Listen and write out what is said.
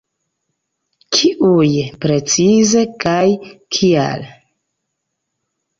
Kiuj precize kaj kial?